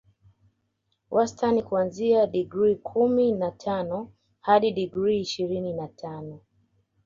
Wastani kuanzia digrii kumi na tano hadi digrii ishirini na tano